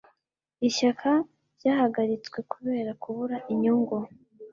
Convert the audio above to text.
ishyaka ryahagaritswe kubera kubura inyungu